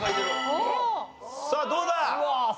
さあどうだ？